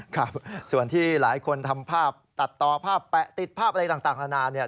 ครับส่วนที่หลายคนทำภาพตัดต่อภาพแปะติดภาพอะไรต่างนานาเนี่ย